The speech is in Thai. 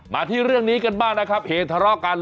มาที่เรื่องนี้กันบ้างนะครับเหตุทะเลาะกัน